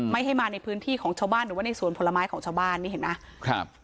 ไม่ให้มาในพื้นที่ของชาวบ้านหรือว่าในสวนผลไม้ของชาวบ้านนี่เห็นไหมครับ